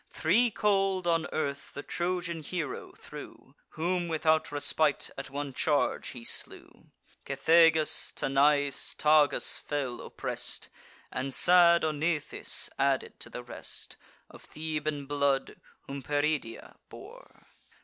Three cold on earth the Trojan hero threw, Whom without respite at one charge he slew: Cethegus, Tanais, Tagus, fell oppress'd, And sad Onythes, added to the rest, Of Theban blood, whom Peridia bore.